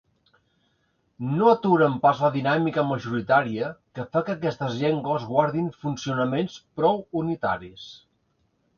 No aturen pas la dinàmica majoritària que fa que aquestes llengües guardin funcionaments prou unitaris.